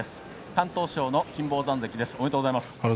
敢闘賞の金峰山関です。おめでとうございます。